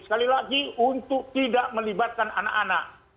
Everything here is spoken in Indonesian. sekali lagi untuk tidak melibatkan anak anak